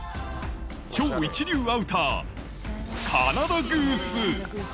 超一流アウター、カナダグース。